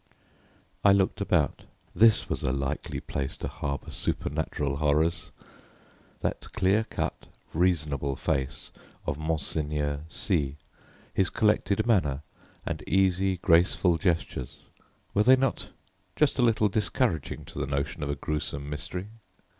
I looked about. This was a likely place to harbour supernatural horrors! That clear cut, reasonable face of Monseigneur C , his collected manner and easy, graceful gestures, were they not just a little discouraging to the notion of a gruesome mystery?